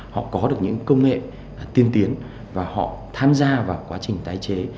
họ có được những công nghệ tiên tiến và họ tham gia vào quá trình tái chế